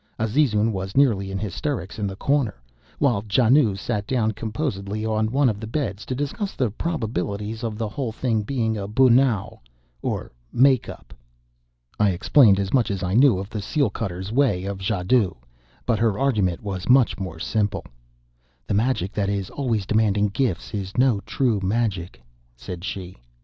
Azizun was nearly in hysterics in the corner; while Janoo sat down composedly on one of the beds to discuss the probabilities of the whole thing being a bunao, or "make up." I explained as much as I knew of the seal cutter's way of jadoo; but her argument was much more simple: "The magic that is always demanding gifts is no true magic," said she.